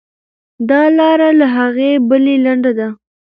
دا لار له هغې بلې لنډه ده.